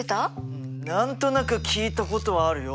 うん何となく聞いたことはあるよ。